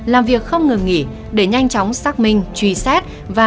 làm việc không ngừng nghỉ để nhanh chóng xác minh truy xét